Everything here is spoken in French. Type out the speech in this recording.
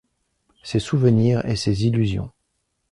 Ces souvenirs et ces illusions.